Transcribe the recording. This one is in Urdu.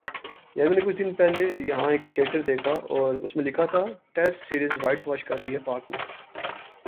یار میں نے کچھ دن پہلے یہاں ایک تھریڈ دیکھا اس میں لکھا تھا ٹیسٹ سیریز وائٹ واش کر دی ہے پاک نے